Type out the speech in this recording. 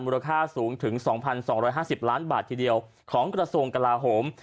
ราคาสูงถึง๒๒๕๐ล้านบาททีเดียวของกระทรวงกลาโหม